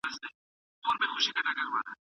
تاسو باید په خپلو کارونو کي د نورو نظر هم واخلئ.